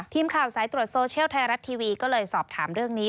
ทีมข่าวสายตรวจโซเชียลไทยรัฐทีวีก็เลยสอบถามเรื่องนี้